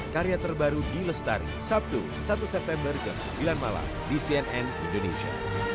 karya terbaru d lestari sabtu satu september jam sembilan malam di cnn indonesia